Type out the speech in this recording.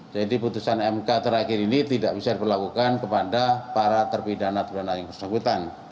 jadi putusan mk terakhir ini tidak bisa diperlakukan kepada para terpidana terhadap yang tersebut